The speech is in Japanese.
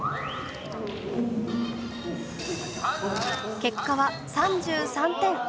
結果は３３点。